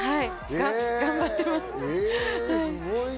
頑張ってます。